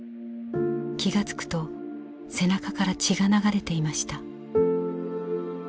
気が付くと背中から血が流れていました。